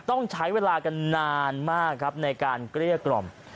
ต้องใช้เวลากันนานมากครับในการเกลี้ยกล่อม